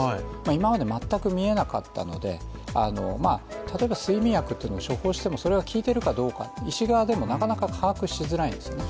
今まで全く見えなかったので、例えば睡眠薬を処方してもそれが効いてるかどうか医師側でもなかなか、把握しづらいんですね。